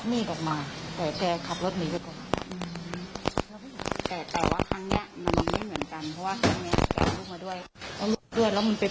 ได้รับการบรรตกันตัวออกมาแล้วนะครับ